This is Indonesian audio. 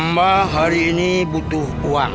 mbak hari ini butuh uang